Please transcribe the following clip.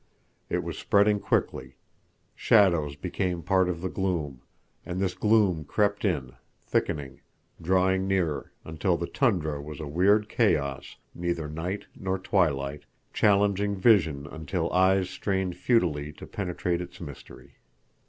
It was spreading quickly; shadows became part of the gloom, and this gloom crept in, thickening, drawing nearer, until the tundra was a weird chaos, neither night nor twilight, challenging vision until eyes strained futilely to penetrate its mystery.